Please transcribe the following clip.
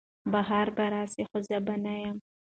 بهار به راسي خو زه به نه یم